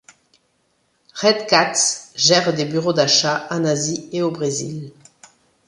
Redcats gère des bureaux d’achat en Asie et au Brésil.